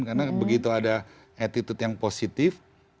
karena begitu ada attitude yang positif